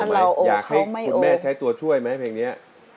อยากให้คุณแม่ใช้ตัวช่วยไหมเพลงนี้